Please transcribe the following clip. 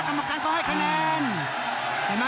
กรรมการเขาให้คะแนน